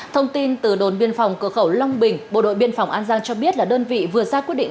thông tin từ đồn biên phòng cửa khẩu long bình bộ đội biên phòng an giang cho biết là đơn vị vừa ra quyết định